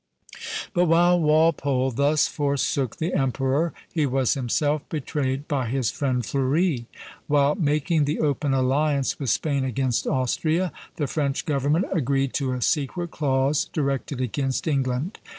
But while Walpole thus forsook the emperor, he was himself betrayed by his friend Fleuri. While making the open alliance with Spain against Austria, the French government agreed to a secret clause directed against England.